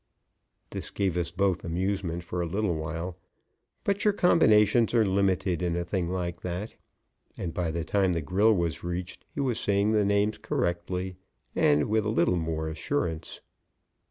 This gave us both amusement for a little while, but your combinations are limited in a thing like that, and by the time the grill was reached he was saying the names correctly and with a little more assurance.